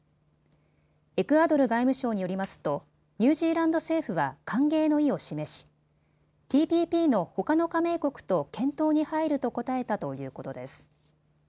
エクアドル外務省によりますとニュージーランド政府は歓迎の意を示しＴＰＰのほかの加盟国と検討に入ると答えたということです。